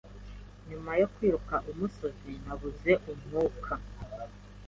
Nyuma yo kwiruka umusozi, nabuze umwuka.